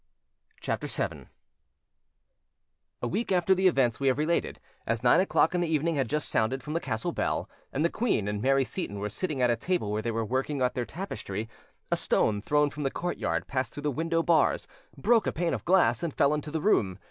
CHAPTER VII A week after the events we have related, as nine o'clock in the evening had just sounded from the castle bell, and the queen and Mary Seyton were sitting at a table where they were working at their tapestry, a stone thrown from the courtyard passed through the window bars, broke a pane of glass, and fell into the room.